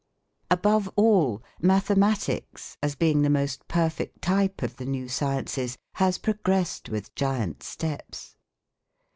Above all, mathematics, as being the most perfect type of the new sciences, has progressed with giant steps.